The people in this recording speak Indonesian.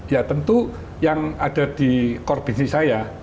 ya tentu yang ada di core bisnis saya